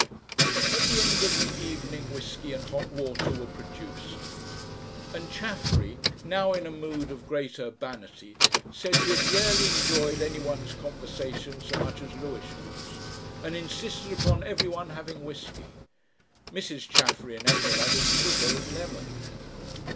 At the end of the evening whisky and hot water were produced, and Chaffery, now in a mood of great urbanity, said he had rarely enjoyed anyone's conversation so much as Lewisham's, and insisted upon everyone having whisky. Mrs. Chaffery and Ethel added sugar and lemon.